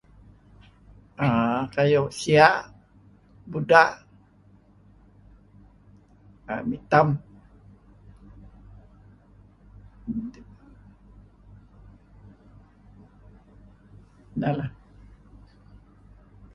Err, kayu' sia, buda' , err... mitem...neh.